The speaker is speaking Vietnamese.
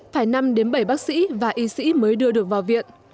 phải năm đến bảy bác sĩ và y sĩ mới đưa được vào viện